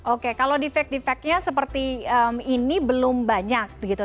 oke kalau defect defectnya seperti ini belum banyak gitu